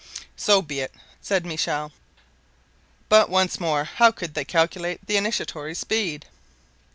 "So be it," said Michel; "but, once more; how could they calculate the initiatory speed?"